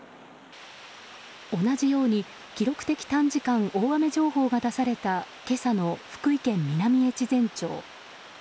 同じように記録的短時間大雨情報が出された今朝の福井県南越前町。